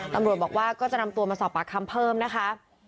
ตำรวจบอกว่าก็จะนำตัวมาสอบปากคำเพิ่มนะคะ